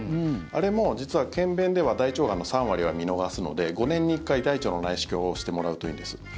あれも実は、検便では大腸がんの３割は見逃すので５年に１回、大腸の内視鏡をしてもらうといいんです。